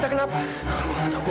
jangan letak rezeki